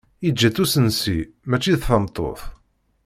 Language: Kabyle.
Yeǧǧa-tt usensi, mačči d tameṭṭut.